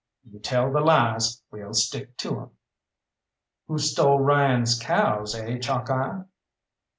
"You tell the lies, we'll stick to 'em!" "Who stole Ryan's cows, eh, Chalkeye?"